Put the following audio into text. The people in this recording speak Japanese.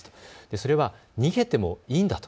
それは逃げてもいいんだと。